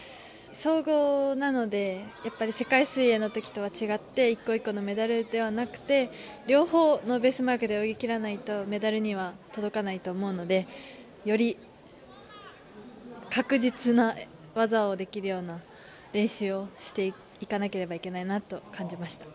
総合なので、世界水泳のときとは違って、一個一個のメダルではなくてメダルには届かないと思うので、より、確実な技をできるような練習をしていかなければいけないなと感じました。